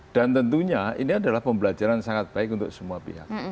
dan tentunya ini adalah pembelajaran sangat baik untuk semua pihak